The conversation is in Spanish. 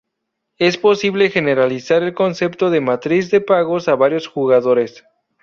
Es posible generalizar el concepto de matriz de pagos a varios jugadores.